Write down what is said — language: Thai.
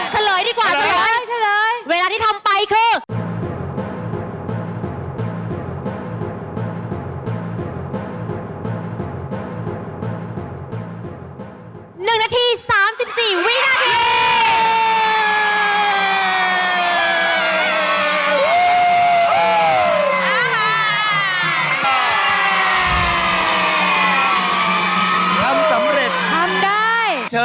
ดีกว่าเฉลยเวลาที่ทำไปคือ